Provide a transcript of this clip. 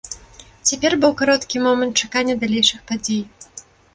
Цяпер быў кароткі момант чакання далейшых падзей.